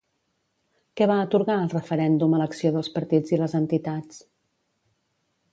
Què va atorgar el referèndum a l'acció dels partits i les entitats?